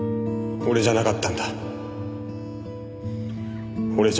俺じゃなかった？